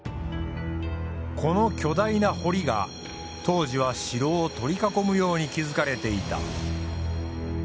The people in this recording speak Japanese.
この巨大な堀が当時は城を取り囲むように築かれていた。